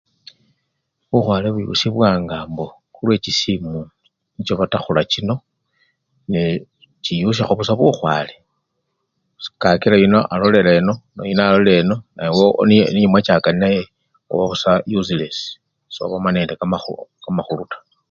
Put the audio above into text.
Bukhwale buyusyibwanga mbo khulwechisimu nicho batakhula chino nee! chiyusyakho busa bukhwale kakila yuno alolelela eno, yuno alola eno, eweniye mwachaka nenaye oba busa yusilesi, sobamo nende kamakhu! kamakhulu taa.